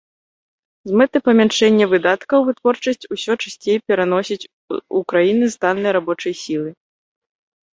З мэтай памяншэння выдаткаў, вытворчасць усё часцей пераносяць у краіны з таннай рабочай сілай.